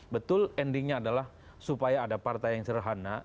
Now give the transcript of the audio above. betul endingnya adalah supaya ada partai yang serhana